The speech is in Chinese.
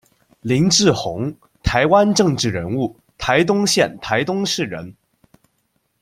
林智鸿，台湾政治人物，台东县台东市人。